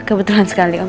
kebetulan sekali om